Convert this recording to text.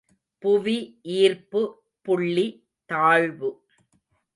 புவி ஈர்ப்பு புள்ளி தாழ்வு.